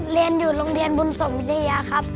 เรียนอยู่โรงเรียนบุญสมวิทยาครับ